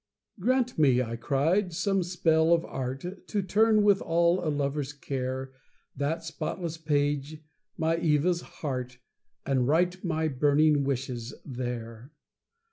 Grant me, I cried, some spell of art, To turn with all a lover's care, That spotless page, my Eva's heart, And write my burning wishes there.